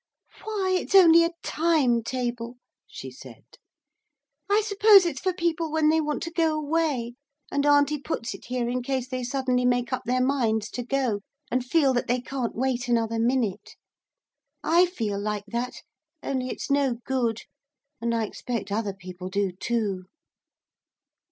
'Why, it's only a time table!' she said. 'I suppose it's for people when they want to go away, and Auntie puts it here in case they suddenly make up their minds to go, and feel that they can't wait another minute. I feel like that, only it's no good, and I expect other people do too.'